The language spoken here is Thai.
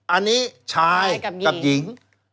อันนี้ชายกับหญิง